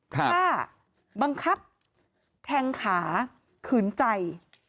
ถ้าบังคับแทงขาขืนใจ